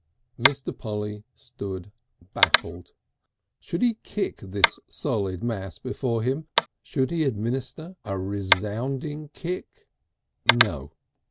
Mr. Polly stood baffled. Should he kick this solid mass before him? Should he administer a resounding kick? No!